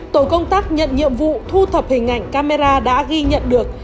tổ công tác nhận nhiệm vụ thu thập hình ảnh camera đã ghi nhận được